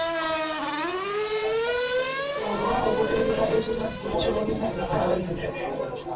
Olina okukiriza ekirwadde kyolina essaawa zino.